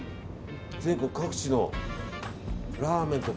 全国各地のラーメンとか。